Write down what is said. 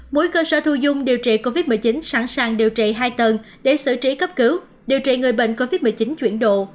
mỗi cơ sở thu dung điều trị covid một mươi chín sẵn sàng điều trị hai tầng để xử trí cấp cứu điều trị người bệnh covid một mươi chín chuyển độ